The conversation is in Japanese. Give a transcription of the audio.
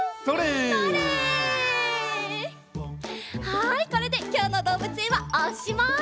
はいこれできょうのどうぶつえんはおしまい。